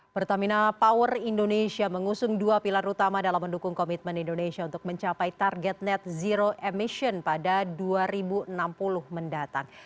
pertamina power indonesia mengusung dua pilar utama dalam mendukung komitmen indonesia untuk mencapai target net zero emission pada dua ribu enam puluh mendatang